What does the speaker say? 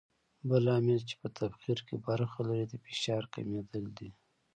بل عامل چې په تبخیر کې برخه لري د فشار کمېدل دي.